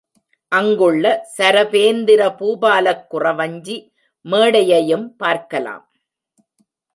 அங்குள்ள சரபேந்திர பூபாலக் குறவஞ்சி மேடையையும் பார்க்கலாம்.